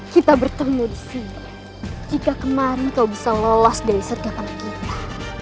kita bertemu disini jika kemarin kau bisa lolos dari sediakan kita